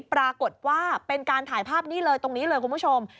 ปรากฏว่าเป็นการถ่ายภาพนี้เลยตรงนี้เลยคุณผู้ชม